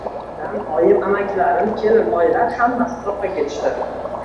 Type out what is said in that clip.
Adam oyim amakilarim kelin oyilar hammasi toqqa ketishdi.